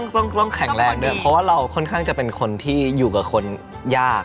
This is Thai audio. ต้องแข็งแรงด้วยเพราะว่าเราค่อนข้างจะเป็นคนที่อยู่กับคนยาก